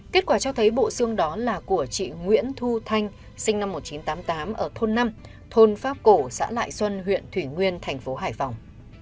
kết quả cho thấy bộ xương đó là của chị nguyễn thu thanh sinh năm một nghìn chín trăm tám mươi tám ở thôn năm thôn pháp cổ xã lại xuân huyện thủy nguyên thành phố hải phòng